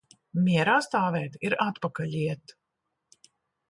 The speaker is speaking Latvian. Mierā stāvēt ir atpakaļ iet.